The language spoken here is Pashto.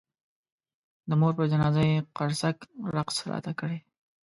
د مور پر جنازه یې قرصک رقص راته کړی.